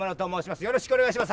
よろしくお願いします。